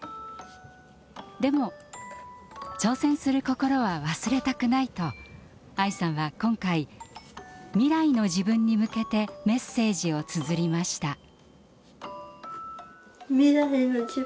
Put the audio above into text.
でも挑戦する心は忘れたくないと愛さんは今回未来の自分に向けてメッセージをつづりました。